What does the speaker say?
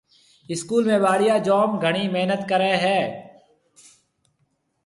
اسڪول ۾ ٻاݪيا جوم گھڻِي محنت ڪريَ هيَ۔